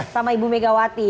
sama ibu megawati